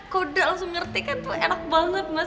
kuda langsung ngerti kan tuh enak banget mas